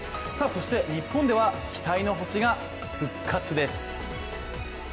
そして日本では期待の星が復活です。